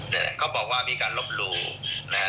แต่เขาบอกว่ามีการรบรู้นะครับ